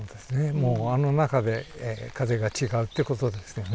もうあの中で風が違うっていうことですよね。